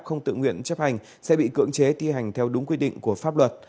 không tự nguyện chấp hành sẽ bị cưỡng chế thi hành theo đúng quy định của pháp luật